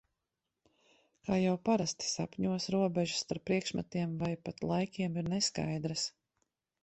Kā jau parasti, sapņos robežas starp priekšmetiem vai pat laikiem ir neskaidras.